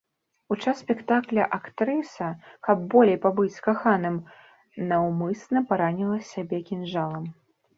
У час спектакля актрыса, каб болей пабыць з каханым, наўмысна параніла сябе кінжалам.